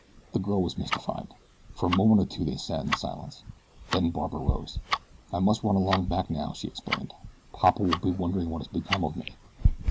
The girl was mystified. For a moment or two they sat in silence, then Barbara rose. "I must run along back now," she explained. "Papa will be wondering what has become of me."